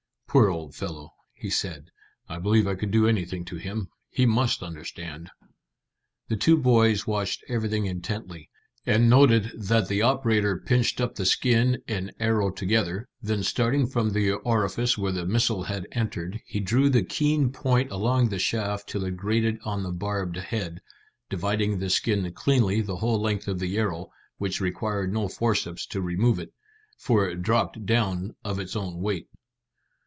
"Poor old fellow," he said. "I believe I could do anything to him. He must understand." The two boys watched everything intently, and noted that the operator pinched up the skin and arrow together; then starting from the orifice where the missile had entered he drew the keen point along the shaft till it grated on the barbed head, dividing the skin cleanly the whole length of the arrow, which required no forceps to remove it, for it dropped down of its own weight.